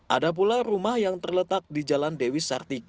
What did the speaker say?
ada pula rumah yang terletak di jalan dewi sartika nomor satu ratus tujuh